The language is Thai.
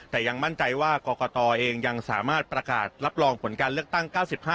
แต่ยังมั่นใจว่ากรกตเองยังสามารถประกาศรับรองผลการเลือกตั้ง๙๕